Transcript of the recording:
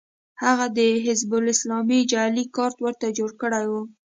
هغوی د حزب اسلامي جعلي کارت ورته جوړ کړی و